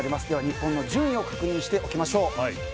日本の順位を確認しておきましょう。